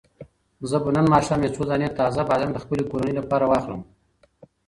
زه به نن ماښام یو څو دانې تازه بادرنګ د خپلې کورنۍ لپاره واخلم.